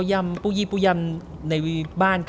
อุ๊ยแม่งโว๊คกลับมาได้อีก